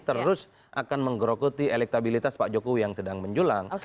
terus akan menggerogoti elektabilitas pak jokowi yang sedang menjulang